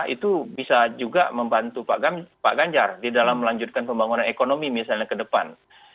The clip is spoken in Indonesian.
itu bisa juga membantu pak ganjar di dalam melanjutkan pembangunan ekonomi misalnya ke depan